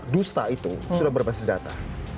dusta itu sudah berbasis data